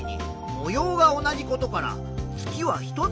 模様が同じだから月は１つ。